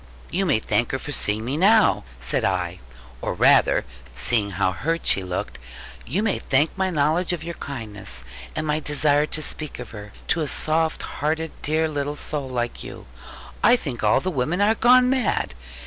'You may thank her for seeing me now,' said I; 'or rather,' seeing how hurt she looked, 'you may thank my knowledge of your kindness, and my desire to speak of her to a soft hearted dear little soul like you. I think all the women are gone mad.